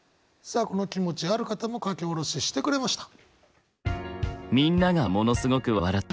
さあこの気持ちある方も書き下ろししてくれました。